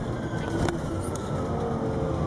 А не ў кусты.